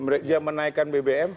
dia menaikkan bbm